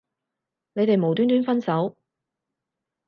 你哋無端端分手